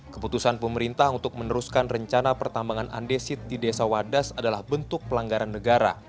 keputusan pemerintah untuk meneruskan rencana pertambangan andesit di desa wadas adalah bentuk pelanggaran negara